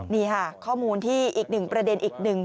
นี่ค่ะข้อมูลที่อีกหนึ่งประเด็นอีกหนึ่ง